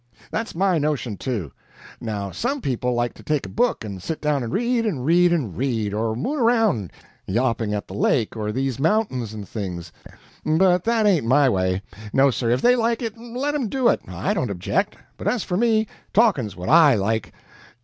"That's my notion, too. Now some people like to take a book and sit down and read, and read, and read, or moon around yawping at the lake or these mountains and things, but that ain't my way; no, sir, if they like it, let 'em do it, I don't object; but as for me, talking's what I like.